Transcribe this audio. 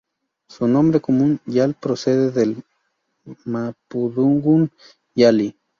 Su nombre común, yal, procede del mapudungún "yali".